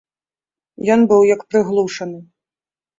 Ён быў як прыглушаны.